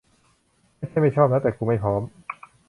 ไม่ใช่ไม่ชอบนะ แต่กูไม่พร้อม